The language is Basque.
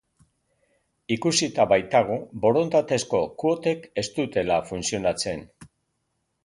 Ikusita baitago borondatezko kuotek ez dutela funtzionatzen.